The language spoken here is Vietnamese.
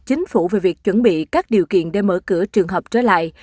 chính phủ về việc chuẩn bị các điều kiện để mở cửa trường hợp trở lại